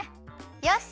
よし！